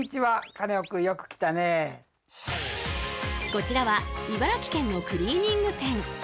こちらは茨城県のクリーニング店。